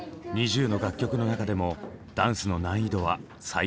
ＮｉｚｉＵの楽曲の中でもダンスの難易度は最高レベル。